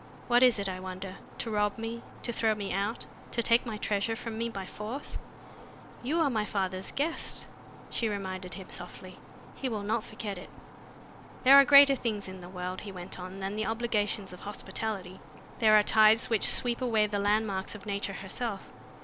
What is it, I wonder? To rob me, to throw me out, to take my treasure from me by force?" "You are my father's guest," she reminded him softly. "He will not forget it." "There are greater things in the world," he went on, "than the obligations of hospitality. There are tides which sweep away the landmarks of nature herself.